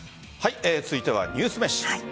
続いてはニュースめし。